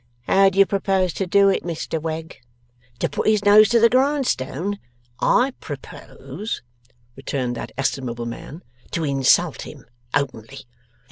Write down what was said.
'How do you propose to do it, Mr Wegg?' 'To put his nose to the grindstone? I propose,' returned that estimable man, 'to insult him openly.